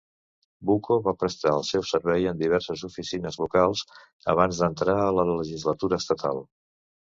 Bucco va prestar el seu servei en diverses oficines locals abans d'entrar a la Legislatura Estatal.